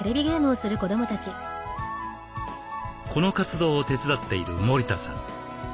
この活動を手伝っている森田さん。